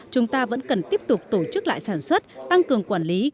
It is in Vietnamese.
chúng ta vẫn cần tiếp tục tổ chức lại sản xuất tăng cường quản lý